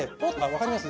わかります。